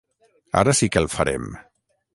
Ara sí que el farem.